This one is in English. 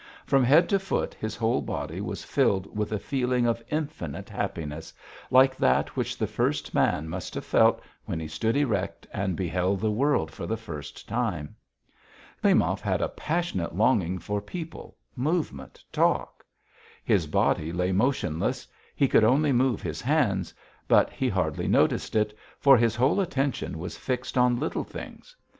From head to foot his whole body was filled with a feeling of infinite happiness, like that which the first man must have felt when he stood erect and beheld the world for the first time. Klimov had a passionate longing for people, movement, talk. His body lay motionless; he could only move his hands, but he hardly noticed it, for his whole attention was fixed on little things.